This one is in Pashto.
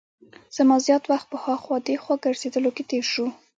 زما زیات وخت په هاخوا دیخوا ګرځېدلو کې تېر شو.